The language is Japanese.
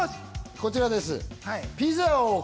こちらです。